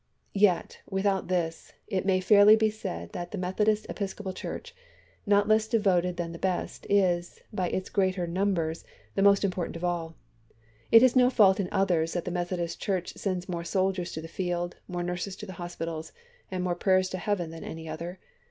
Yet, without this, it may fairly be said that the Methodist Episcopal Church, not less devoted than the best, is, by its greater numbers, the most important of all. It is no fault in others that the Methodist Church sends more soldiers to the field, more nurses to the hospitals, and more prayers to heaven than any other.